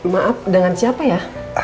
maaf dengan siapa ya